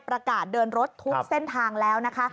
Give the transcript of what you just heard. ประกาศเดินรถทุกเส้นทางแล้วนะคะ